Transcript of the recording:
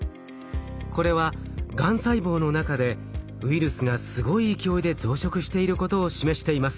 これはがん細胞の中でウイルスがすごい勢いで増殖していることを示しています。